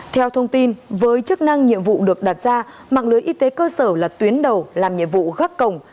theo thông tin với chức năng nhiệm vụ được đặt ra mạng lưới y tế cơ sở là tuyến đầu làm nhiệm vụ gác cổng